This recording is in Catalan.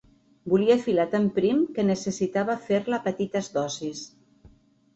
Volia filar tan prim que necessitava fer-la a petites dosis.